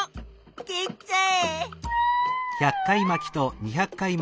切っちゃえ！